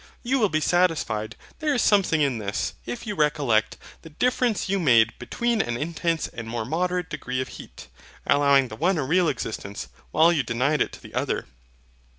You will be satisfied there is something in this, if you recollect the difference you made between an intense and more moderate degree of heat; allowing the one a real existence, while you denied it to the other.